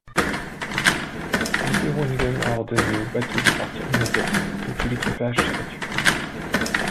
Le Daewongun a ordonné au bateau de partir immédiatement ou tout l'équipage serait tué.